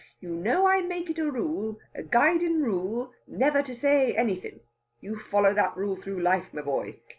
You know I make it a rule a guidin' rule never to say anythin'. You follow that rule through life, my boy!